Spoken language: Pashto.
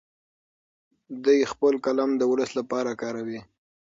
دی خپل قلم د ولس لپاره کاروي.